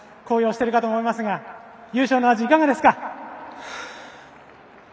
高揚しているかと思いますが優勝の味、いかがですか？